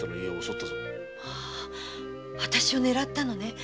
あたしを狙ったのね。